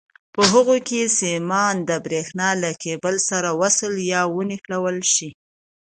په هغو کې سیمان د برېښنا له کېبل سره وصل یا ونښلول شي.